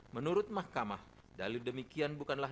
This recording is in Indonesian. menurut mahkamah dalil demikian bukanlah